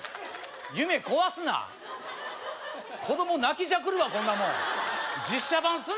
夢壊すな子供泣きじゃくるわこんなもん実写版すな！